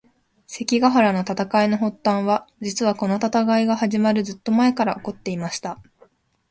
関ヶ原の戦いの発端は、実はこの戦いが始まるずっと前から起こっていました。